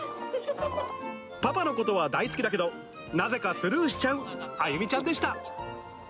パパのことは大好きだけど、なぜかスルーしちゃうあゆみちゃんでした。